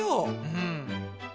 うん。